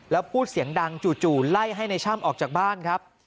แล้วพูดเสียงดังจู่ไล่ให้ในช่ำออกจากบ้านครับ